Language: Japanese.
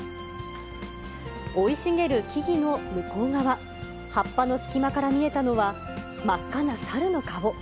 生い茂る木々の向こう側、葉っぱの隙間から見えたのは、真っ赤なサルの顔。